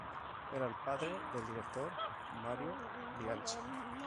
Era el padre del director Mario Bianchi.